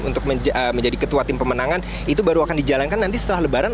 untuk menjadi ketua tim pemenangan itu baru akan dijalankan nanti setelah lebaran